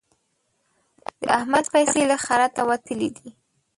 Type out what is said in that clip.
د احمد پيسې له خرته وتلې دي.